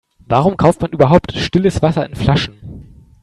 Warum kauft man überhaupt stilles Wasser in Flaschen?